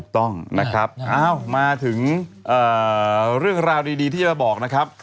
ถูกต้องนะครับมาถึงเรื่องราวดีที่จะมาบอกนะครับ